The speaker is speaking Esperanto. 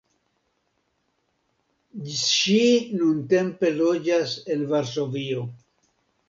Ŝi nuntempe loĝas en Varsovio.